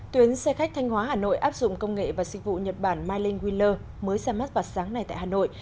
tuyến xe khách thanh hóa hà nội áp dụng công nghệ và dịch vụ nhật bản myling weler mới ra mắt vào sáng nay tại hà nội